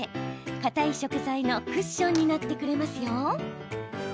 かたい食材のクッションになってくれますよ。